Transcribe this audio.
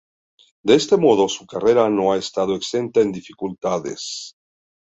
De este modo, su carrera no ha estado exenta de dificultades.